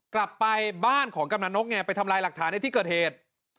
กลับไปบ้านของกำลังนกไงไปทำลายหลักฐานในที่เกิดเหตุ